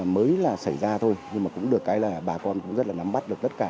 mới là xảy ra thôi nhưng mà cũng được cái là bà con cũng rất là nắm bắt được tất cả